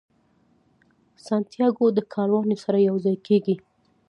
سانتیاګو د کاروان سره یو ځای کیږي.